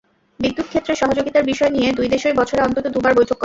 বিদ্যুৎ ক্ষেত্রে সহযোগিতার বিষয় নিয়ে দুই দেশই বছরে অন্তত দুবার বৈঠক করে।